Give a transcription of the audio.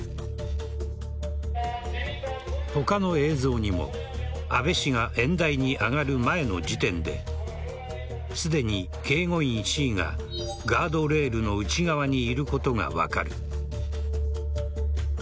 他の映像にも安倍氏が演台に上がる前の時点ですでに警護員Ｃがガードレールの内側にいることが分かる。